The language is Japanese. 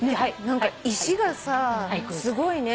石がさすごいね。